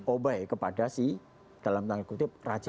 obai kepada si dalam tanda kutip raja